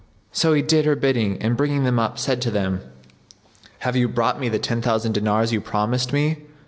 So he did her bidding and bringing them up, said to them, "Have you brought me the ten thousand dinars you promised me?"